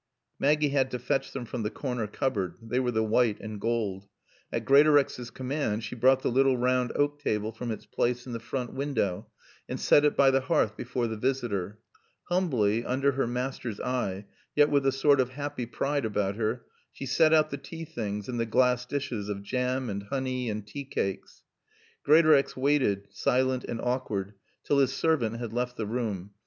Maggie had to fetch them from the corner cupboard (they were the white and gold). At Greatorex's command she brought the little round oak table from its place in the front window and set it by the hearth before the visitor. Humbly, under her master's eye, yet with a sort of happy pride about her, she set out the tea things and the glass dishes of jam and honey and tea cakes. Greatorex waited, silent and awkward, till his servant had left the room.